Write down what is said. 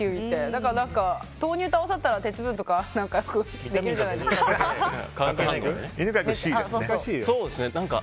だから、豆乳と合わせたら鉄分とかできるじゃないですか。